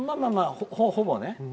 ほぼね。